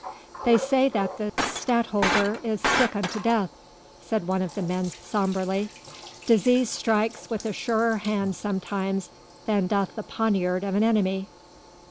"They say that the Stadtholder is sick unto death," said one of the men sombrely. "Disease strikes with a surer hand sometimes than doth the poniard of an enemy."